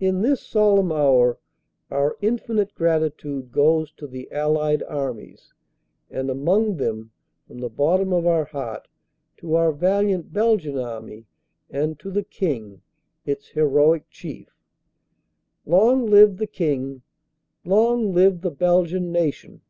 "In this solemn hour our infinite gratitude goes to the Allied Armies and, among them, from the bottom of our heart, to our valiant Belgian Army and to the King, its heroic Chief. "Long live the King! Long live the Belgian Nation!"